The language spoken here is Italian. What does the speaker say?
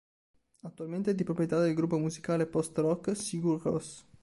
Attualmente è di proprietà del gruppo musicale post-rock Sigur Rós.